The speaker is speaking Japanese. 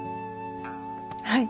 はい。